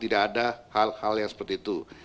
tidak ada hal hal yang seperti itu